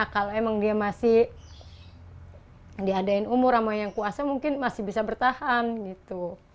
kalau emang dia masih diadain umur sama yang kuasa mungkin masih bisa bertahan gitu